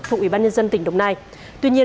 thuộc ủy ban nhân dân tỉnh đồng nai